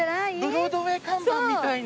ブロードウェー看板みたいな。